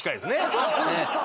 そうなんですか？